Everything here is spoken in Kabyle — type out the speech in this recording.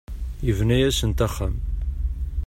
Yebna-asent axxam.